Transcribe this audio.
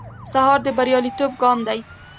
سهار د بریالیتوب ګام دی.